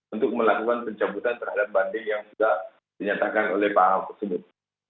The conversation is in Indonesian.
untuk melakukan pencabutan terhadap banding yang sudah dinyatakan oleh pak ahok tersebut